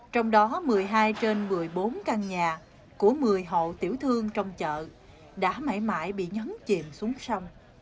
trong đó một mươi hai trên một mươi bốn căn nhà của một mươi hộ tiểu thương trong chợ đã mãi mãi bị nhấn chìm xuống sông